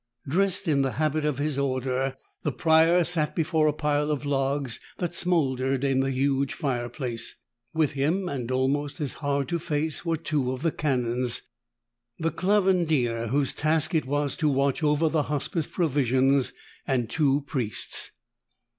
Dressed in the habit of his order, the Prior sat before a pile of logs that smoldered in the huge fireplace. With him, and almost as hard to face, were two of the Canons, the Clavandier, whose task it was to watch over Hospice provisions, and two priests.